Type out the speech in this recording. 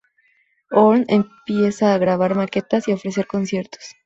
Örn empieza a grabar maquetas y a ofrecer conciertos.